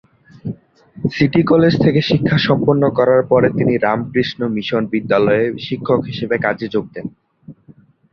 City college থেকে শিক্ষা সম্পন্ন করার পরে তিনি রামকৃষ্ণ মিশন বিদ্যালয়ে শিক্ষক হিসাবে কাজে যোগ দেন।